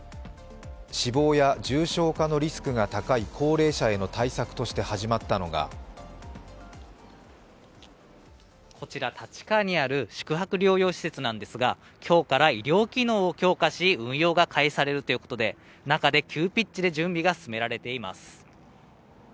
死亡や重症化のリスクが高い高齢者への対策として始まったのがこちら、立川にある宿泊療養施設なんですが今日から医療機能を強化し、運用が開始されるということで中で急ピッチで準備が進められています。